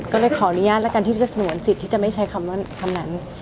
ก็เลยขออนุญาตแล้วกันที่จะสงวนสิทธิ์ที่จะไม่ใช้คำว่าคำนั้น